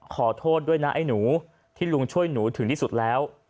ขอโทษด้วยนะไอ้หนูที่ลุงช่วยหนูถึงที่สุดแล้ว